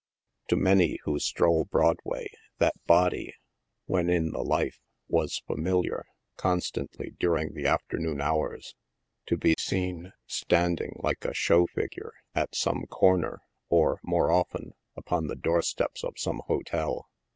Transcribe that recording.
To many who stroll Broadway that body, when in THE STATION HOUSES. 39 the life, was familiar, constantly, during the afternoon hours, to be seen standing, like a show figure, at some corner, or, more often, upon the door steps of some hotel.